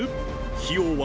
費用は？